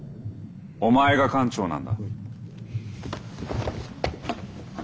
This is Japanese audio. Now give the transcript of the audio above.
お前が艦長なんだ。